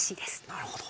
なるほど。